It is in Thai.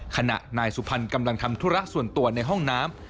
ขณะนายสุพรรณกำลังทำธุระส่วนตัวในห้องน้ำ